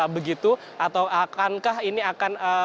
begitu atau akankah ini akan